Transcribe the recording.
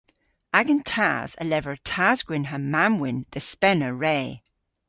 Agan tas a lever tas-gwynn ha mamm-wynn dhe spena re.